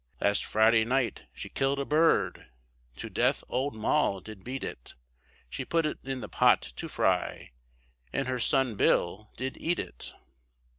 Last Friday night she killed a bird, To death old Moll did beat it, She put it in the pot to fry, And her son Bill did eat it.